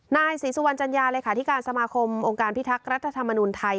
นายศรีสุวรรณจัญญาเลขาธิการสมาคมองค์การพิทักษ์รัฐธรรมนุนไทย